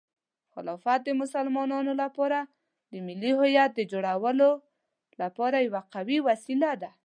خلافت د مسلمانانو لپاره د ملي هویت د جوړولو لپاره یوه قوي وسیله ده.